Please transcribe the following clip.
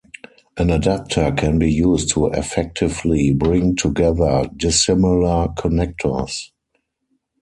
An adapter can be used to effectively bring together dissimilar connectors.